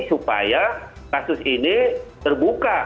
supaya kasus ini terbuka